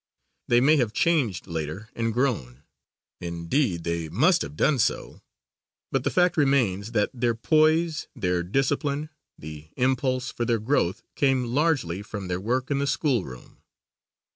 They may have changed later and grown, indeed they must have done so, but the fact remains that their poise, their discipline, the impulse for their growth came largely from their work in the school room.